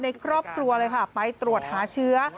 ในครอบครัวเลยค่ะไปตรวจหาเชื้อ